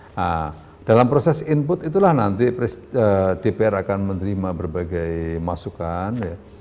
nah dalam proses input itulah nanti dpr akan menerima berbagai masukan